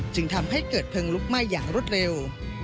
จึงทำให้เกิดเพลิงลุกไหม้อย่างรวดเร็ว